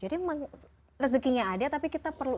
jadi rezekinya ada tapi kita perlu